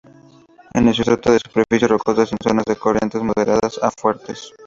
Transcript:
En el sustrato de superficies rocosas y en zonas de corrientes moderadas a fuertes.